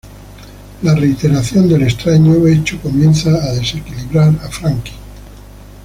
La reiteración del extraño hecho comienza a desequilibrar a Frankie.